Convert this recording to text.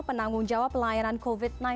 penanggung jawab pelayanan covid sembilan belas